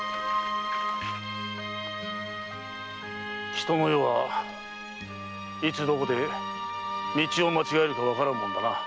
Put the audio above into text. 人の世はいつどこで道を間違えるかわからぬものだな。